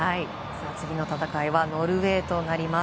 次の戦いはノルウェーとなります。